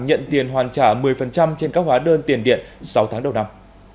nhận tiền hoàn trả một mươi trên các hóa đơn tiền điện sáu tháng đầu năm